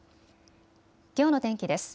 きょうの天気です。